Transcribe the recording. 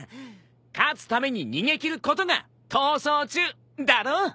勝つために逃げ切ることが逃走中だろ！